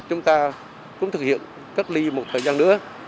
chúng ta cũng thực hiện cách ly một thời gian nữa